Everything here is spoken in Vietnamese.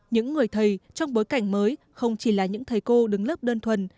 những người thầy trong bối cảnh mới không chỉ là những thầy cô đứng lớp đơn thuần